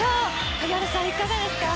萩原さん、いかがですか？